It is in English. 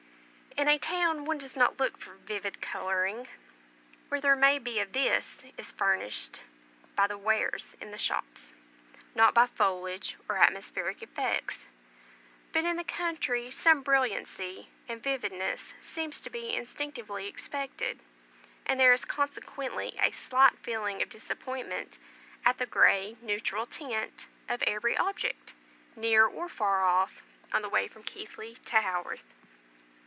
In a town one does not look for vivid colouring; what there may be of this is furnished by the wares in the shops, not by foliage or atmospheric effects; but in the country some brilliancy and vividness seems to be instinctively expected, and there is consequently a slight feeling of disappointment at the grey neutral tint of every object, near or far off, on the way from Keighley to Haworth.